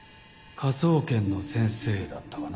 科捜研の先生だったかな？